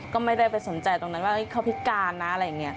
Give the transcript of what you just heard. ก็ไม่ได้ไปสนใจตรงนั้นว่าเขาพิการนะอะไรอย่างนี้